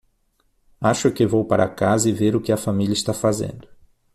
Acho que vou para casa e ver o que a família está fazendo.